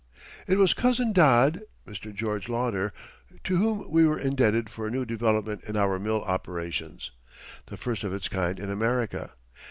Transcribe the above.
It was Cousin "Dod" (Mr. George Lauder) to whom we were indebted for a new development in our mill operations the first of its kind in America.